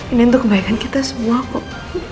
ini untuk kebaikan kita semua kok